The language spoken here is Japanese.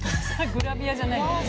グラビアじゃないのに？